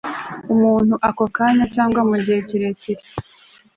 umuntu ako kanya cyangwa mu gihe kirekire